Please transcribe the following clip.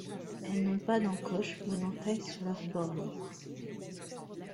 Elles n'ont pas d'encoches ou d'entailles sur leurs bords libres.